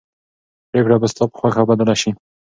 پرېکړه به ستا په خوښه بدله شي.